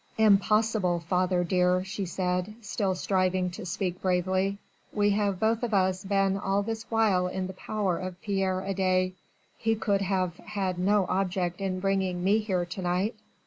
"Impossible, father dear," she said, still striving to speak bravely. "We have both of us been all this while in the power of Pierre Adet; he could have had no object in bringing me here to night."